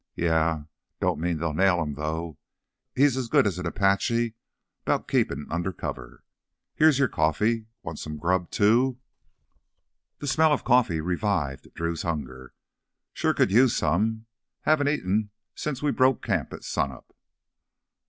"Yeah, don't mean they'll nail him though. He's as good as an Apache 'bout keepin' undercover. Here's your coffee. Want some grub, too?" The smell of coffee revived Drew's hunger. "Sure could use some. Haven't eaten since we broke camp at sunup."